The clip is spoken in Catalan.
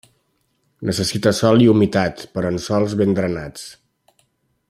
Necessita sol i humitat, però en sòls ben drenats.